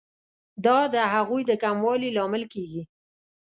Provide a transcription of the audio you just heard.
دا د هغوی د کموالي لامل کیږي.